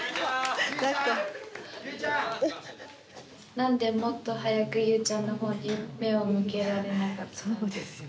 なんでもっと早くゆうちゃんのほうに目を向けられなかったんですか？